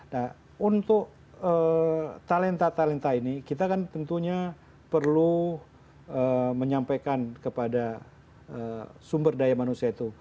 nah untuk talenta talenta ini kita kan tentunya perlu menyampaikan kepada sumber daya manusia itu